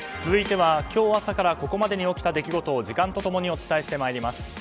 続いては今日朝からここまでに起きた出来事を時間と共にお伝えしてまいります。